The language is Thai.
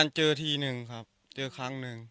เคยเจอก็นานเจอทีหนึ่งครับเจอครั้งหนึ่ง